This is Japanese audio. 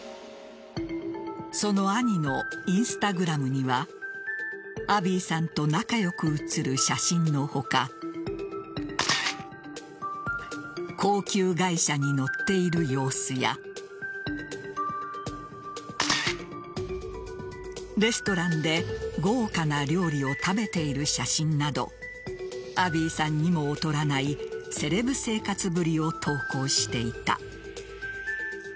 その兄のＩｎｓｔａｇｒａｍにはアビーさんと仲良く写る写真の他高級外車に乗っている様子やレストランで豪華な料理を食べている写真などアビーさんにも劣らないセレブ生活ぶりを投稿していた。